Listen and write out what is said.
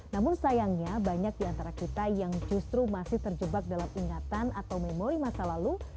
namun sayangnya banyak di antara kita yang justru masih terjebak dalam ingatan atau memori masa lalu